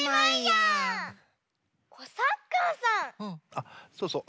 あっそうそう。